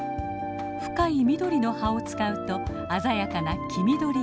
深い緑の葉を使うと鮮やかな黄緑色。